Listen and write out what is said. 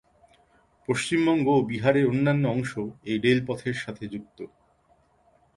পশ্চিমবঙ্গ ও বিহারের অন্যান্য অংশ এই রেলপথের সাথে যুক্ত।